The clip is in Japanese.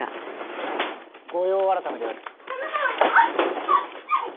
御用改めである。